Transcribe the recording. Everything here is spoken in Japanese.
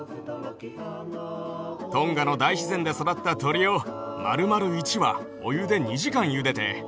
トンガの大自然で育った鶏をまるまる１羽お湯で２時間ゆでて。